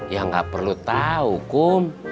ya nggak perlu tahu hukum